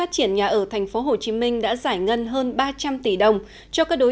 so với năm ngoái